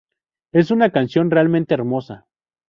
Es una canción realmente hermosa.